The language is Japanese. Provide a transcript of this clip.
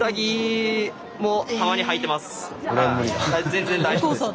全然大丈夫でした。